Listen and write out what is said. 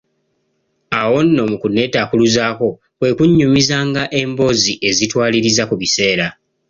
Awo nno mu kunnetakkuluzaako kwe kunnyumizanga emboozi ezitwaliriza ku biseera.